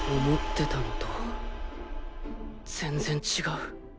思ってたのと全然違う